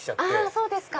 そうですか。